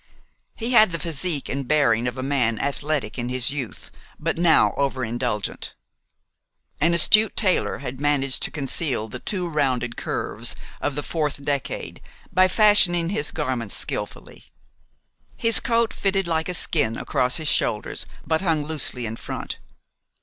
He had the physique and bearing of a man athletic in his youth but now over indulgent. An astute tailor had managed to conceal the too rounded curves of the fourth decade by fashioning his garments skillfully. His coat fitted like a skin across his shoulders but hung loosely in front.